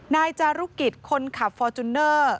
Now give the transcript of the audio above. นายจารุกิจคนขับฟอร์จูเนอร์